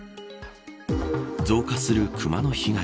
増加するクマの被害。